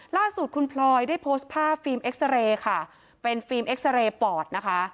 ล่าสุดคุณพลอยได้โพสต์ภาพฟิล์มเอ็กซาเรย์ค่ะเป็นฟิล์มเอ็กซาเรย์ปอดนะคะ